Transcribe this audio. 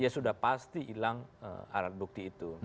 ya sudah pasti hilang alat bukti itu